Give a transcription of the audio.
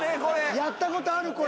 やったことあるこれ。